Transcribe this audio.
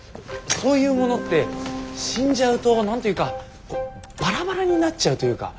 そういうものって死んじゃうと何て言うかバラバラになっちゃうというか。